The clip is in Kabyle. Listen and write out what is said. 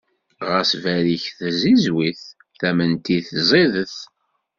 Ɣas berriket tzizwit, tament-is ẓidet.